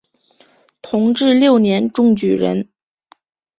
同治六年中举人。